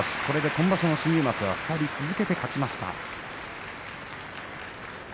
今場所の新入幕は２人続けて勝ちました。